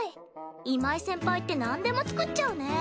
今井先輩ってなんでも作っちゃうね！